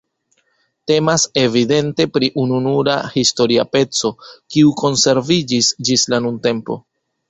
Temas evidente pri ununura historia peco, kiu konserviĝis ĝis la nuntempo.